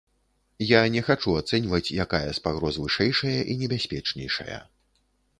Я не хачу ацэньваць, якая з пагроз вышэйшая і небяспечнейшая.